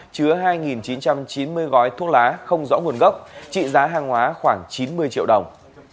chứa hai chín trăm chín mươi gói thuốc lá không rõ nguồn gốc trị giá hàng hóa khoảng chín mươi triệu đồng